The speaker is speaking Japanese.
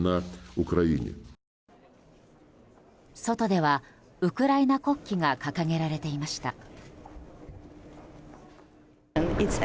外ではウクライナ国旗が掲げられていました。